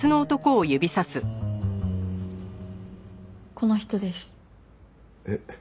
この人です。えっ？